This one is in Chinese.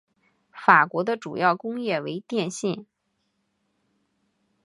法国的主要工业为电信。